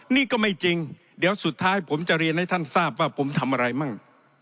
นี่ก็ไม่จริงเดี๋ยวสุดท้ายผมจะเรียนให้ท่านทราบว่าผมทำอะไรมั่ง